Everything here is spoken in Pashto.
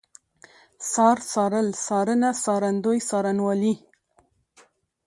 څار، څارل، څارنه، څارندوی، څارنوالي